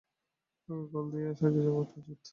কাউকে কল দিয়ে সাহায্য চাওয়া উচিৎ।